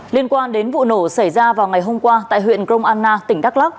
liên quan đến vụ nổ xảy ra vào ngày hôm qua tại huyện grong anna tỉnh đắk lắc